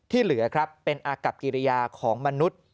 เหลือครับเป็นอากับกิริยาของมนุษย์